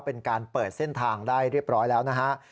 เป็นการเปิดเส้นทางได้เรียบร้อยแล้วนะฮะ